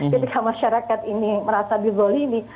ketika masyarakat ini merasa dizolimi